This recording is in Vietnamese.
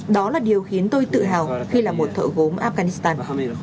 đó là điều khiến tôi tự hào khi làm một thợ gốm afghanistan